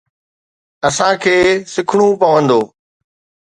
اسان کي سکڻو پوندو.